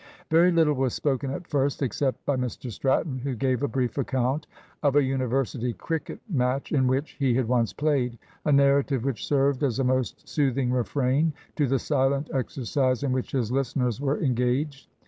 Very little was spoken at first except by Mr Stratton, who gave a brief account of a University cricket match in which he had once played a narrative which served as a most soothing refrain to the silent exercise in which his listeners were engaged.